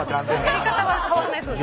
やり方は変わらないそうです。